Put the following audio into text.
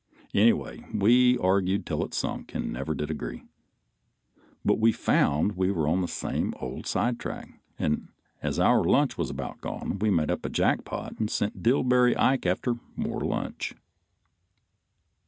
Anyway we argued till it sunk, and never did agree. But we found we were on the same old sidetrack, and as our lunch was about gone we made up a jackpot and sent Dillbery Ike after more lunch.